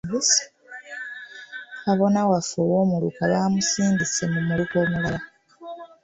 Kabona waffe ow'omuluka baamusindise mu muluka omulala.